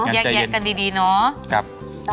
แยกกันดีเนาะ